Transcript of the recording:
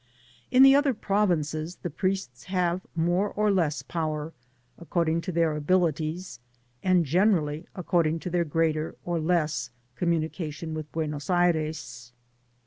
In the other provinces the priests have more or less power, according to their abilities, and generally according to their greater or less communication with Buenos Aires.